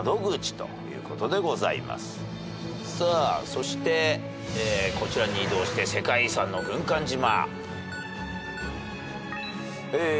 そしてこちらに移動して世界遺産の軍艦島。